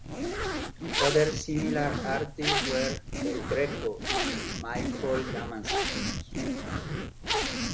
Other similar artists were El Greco and Michael Damaskinos.